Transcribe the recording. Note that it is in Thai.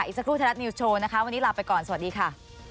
สักครู่ไทยรัฐนิวส์โชว์นะคะวันนี้ลาไปก่อนสวัสดีค่ะ